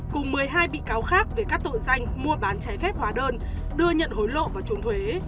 cùng một mươi hai bị cáo khác về các tội danh mua bán trái phép hóa đơn đưa nhận hối lộ và trốn thuế